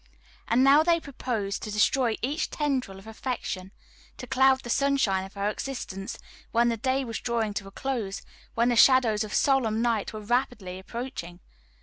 And now they proposed to destroy each tendril of affection, to cloud the sunshine of her existence when the day was drawing to a close, when the shadows of solemn night were rapidly approaching.